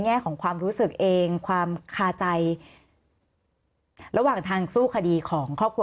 แง่ของความรู้สึกเองความคาใจระหว่างทางสู้คดีของครอบครัว